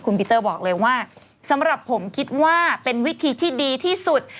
คุณปีเตอร์บอกเลยว่าสำหรับผมคิดว่าเป็นวิธีที่ดีที่สุด